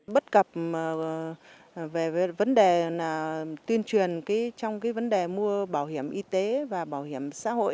bất cập về vấn đề là tuyên truyền trong vấn đề mua bảo hiểm y tế và bảo hiểm xã hội